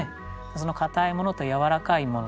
その硬いものと軟らかいもの